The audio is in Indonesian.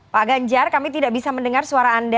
pak ganjar kami tidak bisa mendengar suara anda